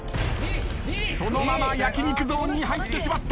そのまま焼き肉ゾーンに入ってしまった。